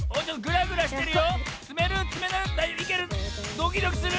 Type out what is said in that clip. ドキドキする！